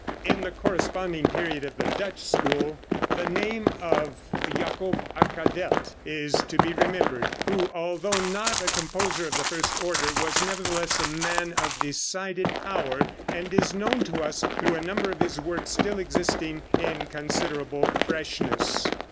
In the corresponding period of the Dutch school the name of Jacob Arkadelt is to be remembered, who, although not a composer of the first order, was nevertheless a man of decided power, and is known to us through a number of his works still existing in considerable freshness.